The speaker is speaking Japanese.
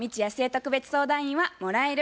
特別相談員は「もらえる」